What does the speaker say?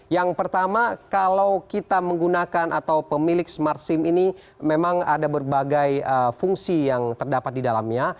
yang pertama kalau kita menggunakan atau pemilik smart sim ini memang ada berbagai fungsi yang terdapat di dalamnya